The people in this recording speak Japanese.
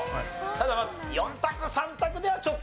ただ４択３択ではちょっと。